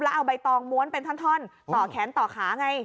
แล้วเอาใบตองม้วนเป็นท่อนต่อแขนต่อขาไง